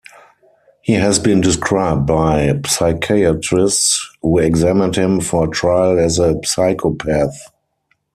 He has been described by psychiatrists who examined him for trial as a psychopath.